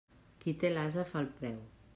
Qui té l'ase fa el preu.